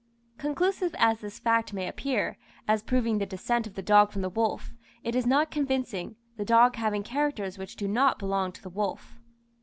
Conclusive as this fact may appear, as proving the descent of the dog from the wolf, it is not convincing, the dog having characters which do not belong to the wolf.